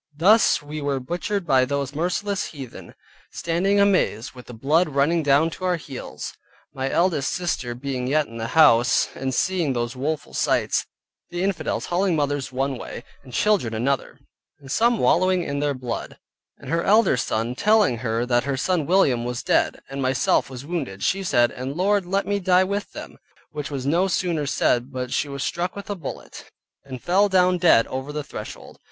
Thus were we butchered by those merciless heathen, standing amazed, with the blood running down to our heels. My eldest sister being yet in the house, and seeing those woeful sights, the infidels hauling mothers one way, and children another, and some wallowing in their blood: and her elder son telling her that her son William was dead, and myself was wounded, she said, "And Lord, let me die with them," which was no sooner said, but she was struck with a bullet, and fell down dead over the threshold.